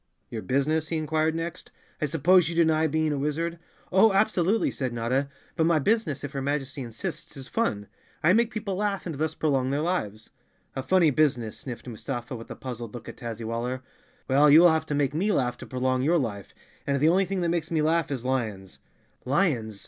Your business ?" he inquired next. " I suppose you deny being a wizard?" "Oh, absolutely!" said Notta. "But my business, if your Majesty insists, is fun. I make people laugh and thus prolong their lives." "A funny business," sniffed Mustafa, with a puzzled _ Chapter Four look at Tazzywaller. "Well, you will have to make me laugh to prolong your life, and the only thing that makes me laugh is lions I" "Lions!"